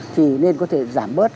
thì nên có thể giảm bớt